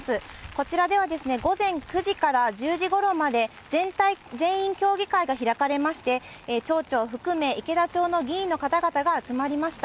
こちらでは午前９時から１０時ごろまで、全員協議会が開かれまして、町長含め、池田町の議員の方々が集まりました。